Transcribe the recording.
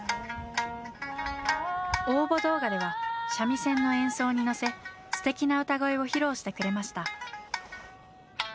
応募動画では三味線の演奏に乗せすてきな歌声を披露してくれました。